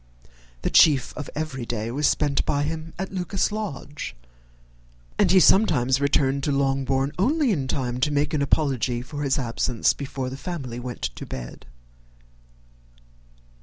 The chief of every day was spent by him at Lucas Lodge, and he sometimes returned to Longbourn only in time to make an apology for his absence before the family went to bed.